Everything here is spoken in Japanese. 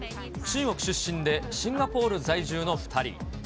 中国出身でシンガポール在住の２人。